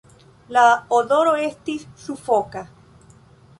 La odoro estis sufoka.